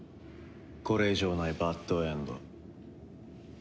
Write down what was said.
これ以上ないバッドエンド。